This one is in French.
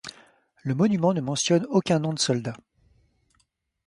Le monument ne mentionne aucun nom de soldat.